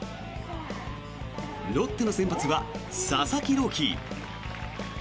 ロッテの先発は佐々木朗希。